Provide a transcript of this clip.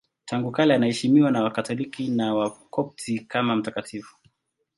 Tangu kale anaheshimiwa na Wakatoliki na Wakopti kama mtakatifu.